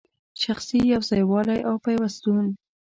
شخصي یو ځای والی او پیوستون